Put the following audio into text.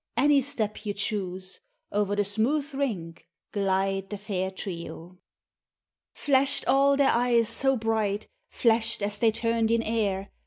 Any step you choose, — Over the smooth rink Glide the fair trio. Flash'd all their eyes so bright, . Flash'd as they turned in air.